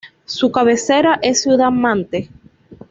Su cabecera es Ciudad Mante.